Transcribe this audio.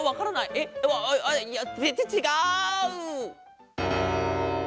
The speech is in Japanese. えっあっいやぜんぜんちがう！